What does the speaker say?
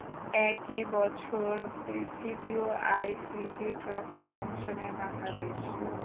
একই বছর তৃতীয় আই সি সি ট্রফিতে অংশ নেয় বাংলাদেশ।